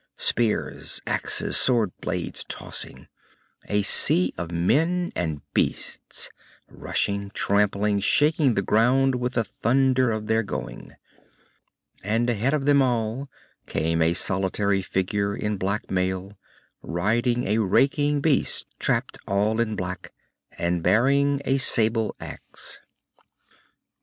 Spears, axes, sword blades tossing, a sea of men and beasts, rushing, trampling, shaking the ground with the thunder of their going. And ahead of them all came a solitary figure in black mail, riding a raking beast trapped all in black, and bearing a sable axe.